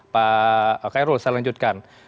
pak kairul saya lanjutkan